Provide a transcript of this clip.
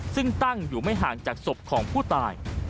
ซึ่งตั้งอยู่ไม่ห่างจากศพของผู้ตาย